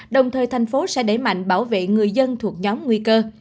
đồng thời thành phố sẽ đẩy mạnh bảo vệ người dân thuộc nhóm nguy cơ